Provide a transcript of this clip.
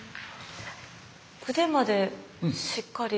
腕までしっかり。